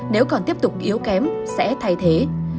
nếu còn tiếp tục yếu kém sẽ thay thế